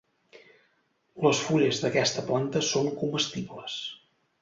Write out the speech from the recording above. Les fulles d'aquesta planta són comestibles.